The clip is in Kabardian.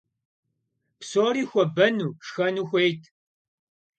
Псори хуэбэну, шхэну хуейт.